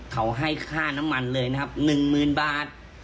เขาให้ค่าน้ำมันเลยนะครับ๑๐๐๐บาท